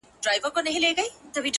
زه د یویشتم قرن غضب ته فکر نه کوم!